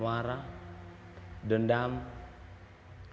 bahkan kalau ada perasaan itu mungkin kita sudah